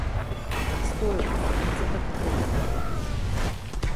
Стоев во судницата како будала.